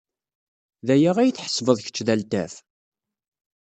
D aya ay tḥesbed kečč d altaf?